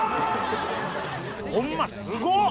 ホンマすごっ！